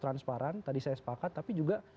transparan tadi saya sepakat tapi juga